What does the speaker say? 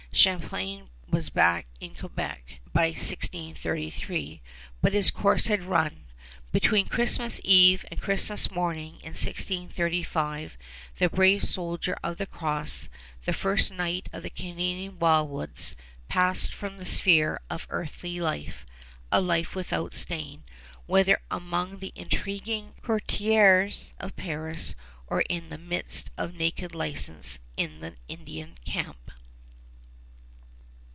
Champlain was back in Quebec by 1633; but his course had run. Between Christmas eve and Christmas morning, in 1635, the brave Soldier of the Cross, the first knight of the Canadian wildwoods, passed from the sphere of earthly life a life without a stain, whether among the intriguing courtiers of Paris or in the midst of naked license in the Indian camp.